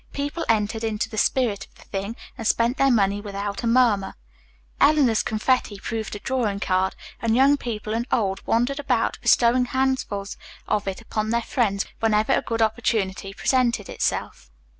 People entered into the spirit of the thing and spent their money without a murmur. Eleanor's confetti proved a drawing card, and young people and old wandered about, bestowing handfuls of it upon their friends whenever a good opportunity presented itself.